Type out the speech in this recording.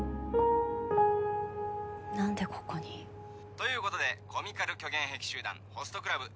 何でここにということでコミカル虚言癖集団ホストクラブエーイチ